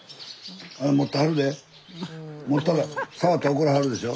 持ったら触ったら怒らはるでしょ。